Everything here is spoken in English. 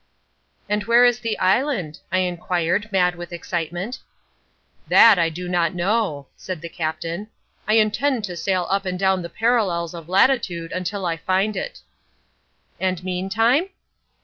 "And where is the island?" I inquired, mad with excitement. "That I do not know," said the Captain. "I intend to sail up and down the parallels of latitude until I find it." "And meantime?"